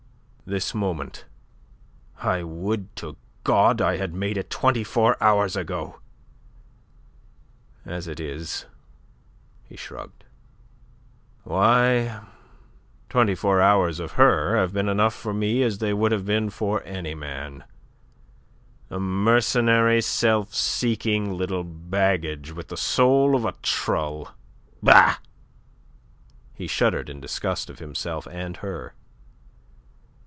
"This moment. I would to God I had made it twenty four hours ago. As it is " he shrugged "why, twenty four hours of her have been enough for me as they would have been for any man a mercenary, self seeking little baggage with the soul of a trull. Bah!" He shuddered in disgust of himself and her.